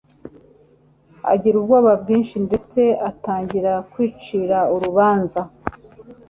Agira ubwoba bwinshi ndetse atangira kwicira urubanza.